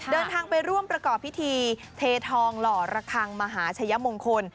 เดินทางไปร่วมประกอบพิธีเททองหล่อระคังมหาชัยมงคล